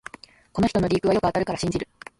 この人のリークはよく当たるから信じる